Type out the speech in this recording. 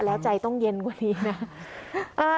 แล้วใจต้องเย็นกว่านี้นะ